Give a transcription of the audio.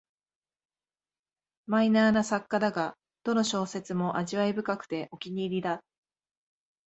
マイナーな作家だが、どの小説も味わい深くてお気に入りだ